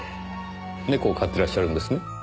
猫を飼っていらっしゃるんですね？